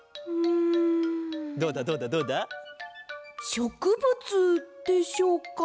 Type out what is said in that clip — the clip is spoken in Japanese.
しょくぶつでしょうか？